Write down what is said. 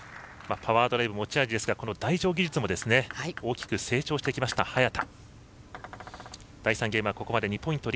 パワードライブ、持ち味ですがこの台上技術も大きく成長してきました、早田。